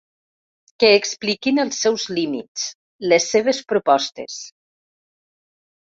Que expliquin els seus límits, les seves propostes.